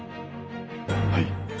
はい。